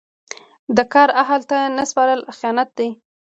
د کار اهل ته نه سپارل خیانت دی.